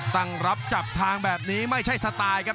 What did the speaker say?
ตั้งรับจับทางแบบนี้ไม่ใช่สไตล์ครับ